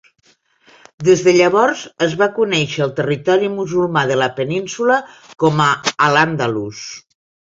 Des de llavors es va conèixer al territori musulmà de la península com a al-Àndalus.